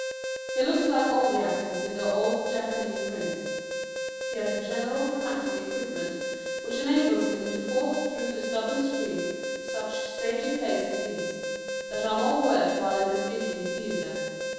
He looks like all the actors in the old Japanese prints. He has a general dramatic equipment which enables him to force through the stubborn screen such stagy plays as these, that are more worth while in the speaking theatre.